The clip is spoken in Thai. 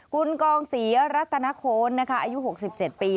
คุณกองศรีรัตนโคนอายุ๖๗ปี